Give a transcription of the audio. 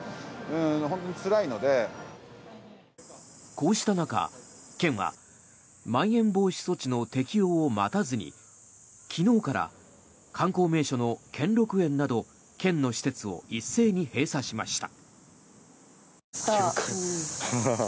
こうした中、県はまん延防止措置の適用を待たずに昨日から、観光名所の兼六園など県の施設を一斉に閉鎖しました。